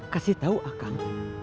kasih tau akang